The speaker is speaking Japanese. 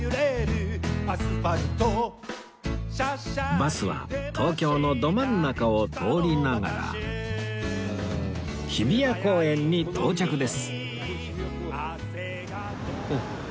バスは東京のど真ん中を通りながら日比谷公園に到着です